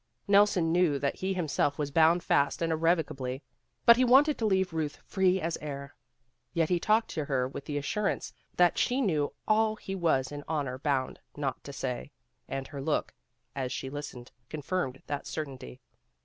Nelson knew that he himself was bound fast and irrevocably, but he wanted to leave Euth free as air. Yet he talked to her with the assurance that she knew all he was in honor bound not to say, and her look, as she listened, confirmed that certainty.